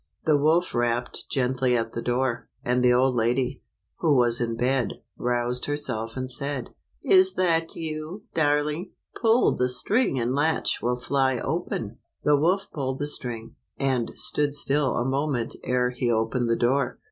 The wolf rapped gently at the door, and the old lady, who was in bed, roused herself and said, " Is that you, darling? Pull the string and the latch will fly up." The wolf pulled the string, and stood still a moment ere he opened the door.